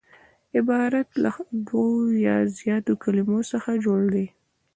عبارت له دوو یا زیاتو کليمو څخه جوړ يي.